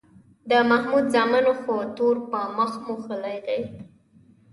د محمود زامنو خو تور په مخ موښلی دی